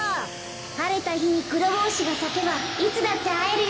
はれたひにクロボウシがさけばいつだってあえるよ。